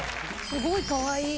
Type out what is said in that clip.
すごいかわいい。